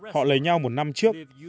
họ lấy nhau một năm trước